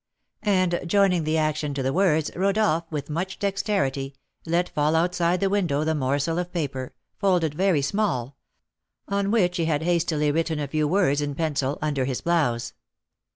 And, joining the action to the words, Rodolph, with much dexterity, let fall outside the window the morsel of paper, folded very small, on which he had hastily written a few words in pencil under his blouse.